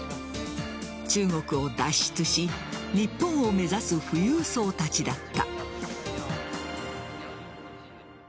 中国を脱出し日本を目指す富裕層たちだった。